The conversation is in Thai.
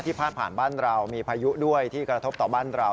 พาดผ่านบ้านเรามีพายุด้วยที่กระทบต่อบ้านเรา